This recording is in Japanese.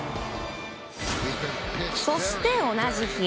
そして、同じ日。